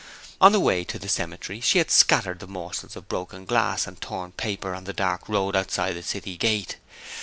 On the way to the cemetery, she had scattered the morsels of broken glass and torn paper on the dark road outside the city gate.